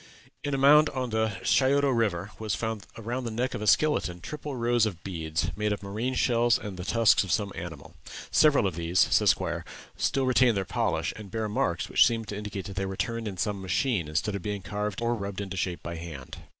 In a mound on the Scioto River was found around the neck of a skeleton triple rows of beads, made of marine shells and the tusks of some animal. "Several of these," says Squier, "still retain their polish, and bear marks which seem to indicate that they were turned in some machine, instead of being carved or rubbed into shape by hand."